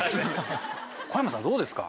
小山さんどうですか？